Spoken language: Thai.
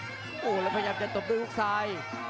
โอ้โหแล้วพยายามจะตบด้วยฮุกซ้าย